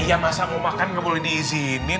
iya masa mau makan gak boleh diizinin